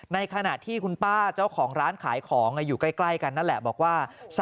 ในขณะที่คุณป้าเจ้าของร้านขายของอยู่ใกล้กันนั่นแหละบอกว่า